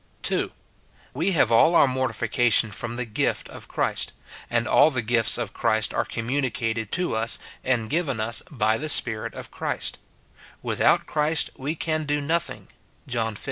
(2.) We have all our mortification from the gift of Christ, and all the gifts of Christ are communicated to us and given us by the Spirit of Christ :" Without Christ we can do nothing," John xv.